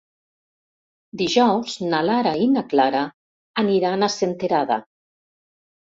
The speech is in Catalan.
Dijous na Lara i na Clara aniran a Senterada.